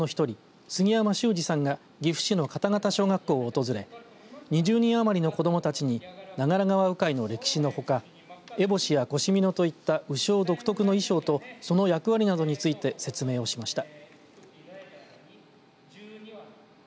きょうは長良川鵜飼の鵜匠の１人、杉山秀二さんが岐阜市の方県小学校を訪れ２０人余りの子どもたちに長良川鵜飼の歴史のほかえぼしや腰みのといった鵜匠独特の衣装とその役割などについて説明をしました。